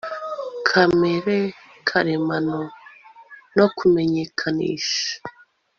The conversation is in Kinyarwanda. kamere karemano, no kumenyekanisha